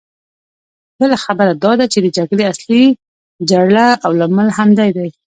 بله خبره دا چې د جګړې اصلي جرړه او لامل همدی دی.